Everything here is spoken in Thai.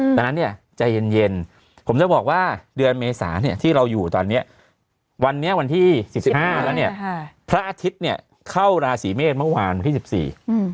แต่นั้นจะเย็นผมจะบอกว่าเดือนเมษาที่เราอยู่ตอนนี้วันนี้วันที่๑๕แล้วพระอาทิตย์เข้าราศีเมษเมื่อวานที่๑๔